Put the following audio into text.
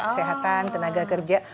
sehatan tenaga kerja